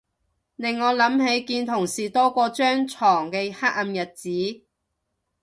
令我諗起見同事多過張牀嘅黑暗日子